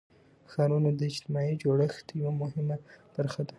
ښارونه د اجتماعي جوړښت یوه مهمه برخه ده.